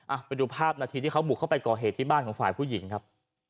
ไปดูภาพนาทีที่เขาบุกเข้าไปก่อเหตุที่บ้านของฝ่ายผู้หญิงครับ